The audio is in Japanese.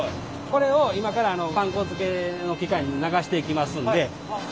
これを今からパン粉づけの機械に流していきますんで。